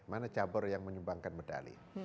mana cabar yang menyumbangkan medali